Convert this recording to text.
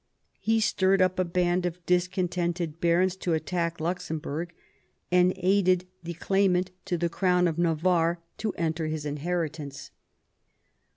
He stirred up a band of discontented barons to attack Luxembourg, and aided the claimant to the crown of Navarre to enter his inheritance.